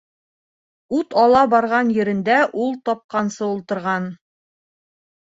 Ут ала барған ерендә ул тапҡансы ултырған.